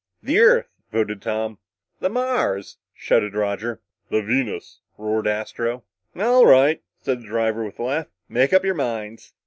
"The Earth," voted Tom. "The Mars," shouted Roger. "The Venus!" roared Astro. "All right," said the driver with a laugh, "make up your minds."